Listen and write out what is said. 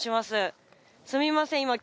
すみません。